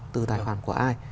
từ tài khoản của ai